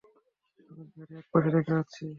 আমি গাড়ি একপাশে রেখে আসছি।